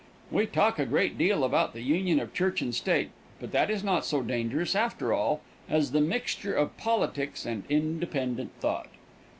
We talk a great deal about the union of church and state, but that is not so dangerous, after all, as the mixture of politics and independent thought.